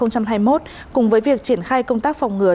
cùng với việc triển khai công tác phòng ngừa